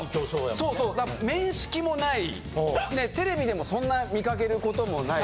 そう面識もないテレビでもそんな見かけることもない。